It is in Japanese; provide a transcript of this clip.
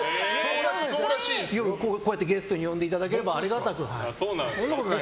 こうやってゲストに呼んでいただければありがたく。